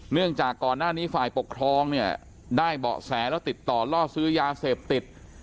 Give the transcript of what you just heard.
จากก่อนหน้านี้ฝ่ายปกครองเนี่ยได้เบาะแสแล้วติดต่อล่อซื้อยาเสพติด